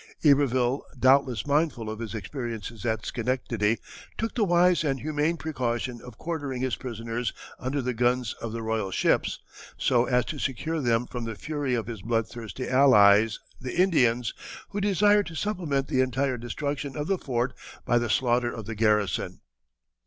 Iberville, doubtless mindful of his experiences at Schenectady, took the wise and humane precaution of quartering his prisoners under the guns of the royal ships, so as to secure them from the fury of his bloodthirsty allies, the Indians, who desired to supplement the entire destruction of the fort by the slaughter of the garrison.